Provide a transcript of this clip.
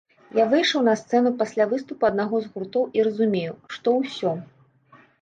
Я выйшаў на сцэну пасля выступу аднаго з гуртоў і разумею, што ўсё!